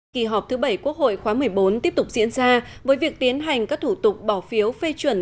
kỳ họp thứ bảy quốc hội khóa một mươi bốn tiếp tục diễn ra với việc tiến hành các thủ tục bỏ phiếu phê chuẩn